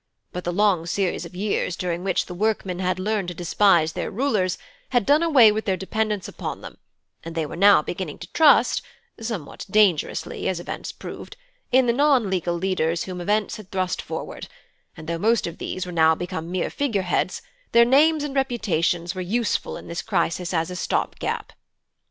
But the long series of years during which the workmen had learned to despise their rulers, had done away with their dependence upon them, and they were now beginning to trust (somewhat dangerously, as events proved) in the non legal leaders whom events had thrust forward; and though most of these were now become mere figure heads, their names and reputations were useful in this crisis as a stop gap.